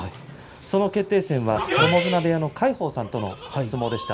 その決定戦は友綱部屋の魁鵬さんとの相撲でした。